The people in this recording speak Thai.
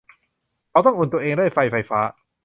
เขาต้องอุ่นตัวเองด้วยไฟไฟฟ้า